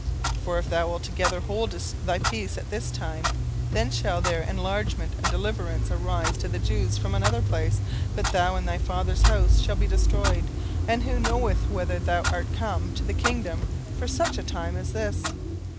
17:004:014 For if thou altogether holdest thy peace at this time, then shall there enlargement and deliverance arise to the Jews from another place; but thou and thy father's house shall be destroyed: and who knoweth whether thou art come to the kingdom for such a time as this?